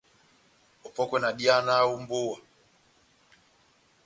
Opɔ́kwɛ na dihanaha ó mbówa.